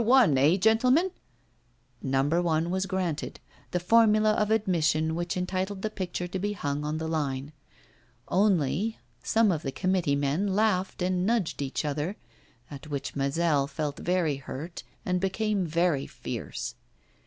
1, eh, gentlemen?' No. 1 was granted the formula of admission which entitled the picture to be hung on the line. Only, some of the committee men laughed and nudged each other, at which Mazel felt very hurt, and became very fierce.